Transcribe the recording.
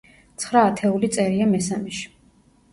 ცხრა ათეული წერია მესამეში.